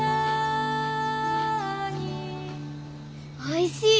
おいしい。